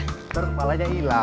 ntar kepalanya hilang